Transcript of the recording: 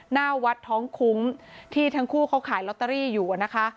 หน้าวัดท้องคุ้มที่ทั้งคู่เขาขายลอตเตอรี่อยู่นะคะ